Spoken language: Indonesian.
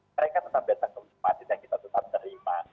mereka tetap datang ke wisma atlet yang kita tetap terima